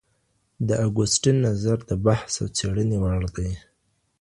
د اګوستین نظر د بحث او څېړني وړ دی.